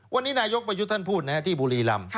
วันนี้นายกประยุทธ์ท่านพูดที่บุรีรำ